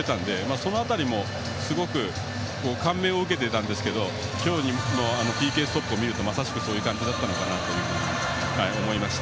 その辺りもすごく感銘を受けてましたが今日のＰＫストップを見るとまさしくそんな感じだったのかなと思いました。